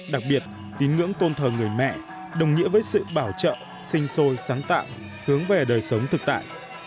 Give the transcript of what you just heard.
đặc biệt tín ngưỡng tôn thờ người mẹ đồng nghĩa với sự bảo trợ sinh sôi sáng tạo hướng về đời sống thực tại